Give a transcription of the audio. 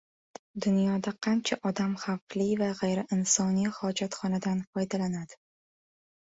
Dunyoda qancha odam xavfli va g‘ayriinsoniy hojatxonadan foydalanadi?